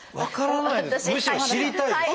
むしろ知りたいです。